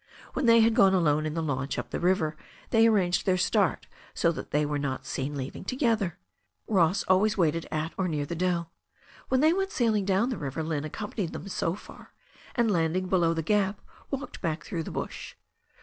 When they had gone alone in the launch up the river they arranged their start so that they were not seen leaving to gether. Ross always waited at or near the dell. When they went sailing down the river Lynne accompanied them so far, and landing below the gap, walked back through the bush.